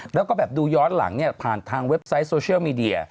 แล้วก็แบบดูย้อนหลังเนี่ยผ่านทางเว็บไซต์โซเชียลมีเดีย